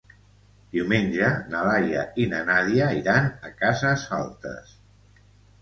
Diumenge na Laia i na Nàdia iran a Cases Altes.